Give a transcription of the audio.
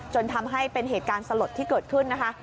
จนทำให้เป็นเหตุการณ์สลดที่เกิดขึ้นนะคะ